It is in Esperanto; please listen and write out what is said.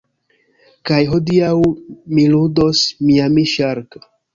Kaj hodiaŭ mi ludos "Miami Shark".